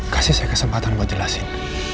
kasih saya kesempatan buat jelasin